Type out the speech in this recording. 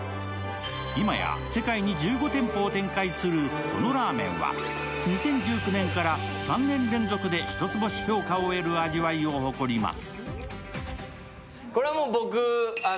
今や世界に１５店舗を展開するそのラーメンは２０１９年から３年連続で一つ星評価を得る味わいを誇ります。